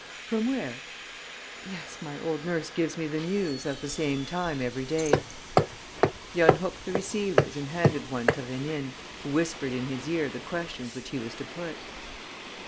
"From there?" "Yes, my old nurse gives me the news at the same time every day." He unhooked the receivers and handed one to Rénine, who whispered in his ear the questions which he was to put.